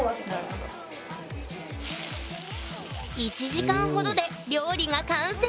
１時間ほどで料理が完成！